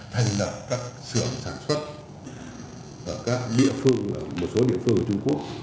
thành lập các sưởng sản xuất ở các địa phương một số địa phương ở trung quốc